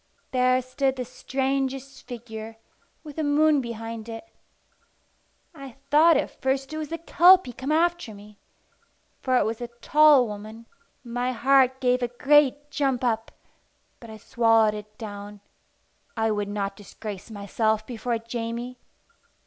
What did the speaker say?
There stood the strangest figure, with the moon behind it. I thought at first it was the Kelpie come after me, for it was a tall woman. My heart gave a great jump up, but I swallowed it down. I would not disgrace myself before Jamie.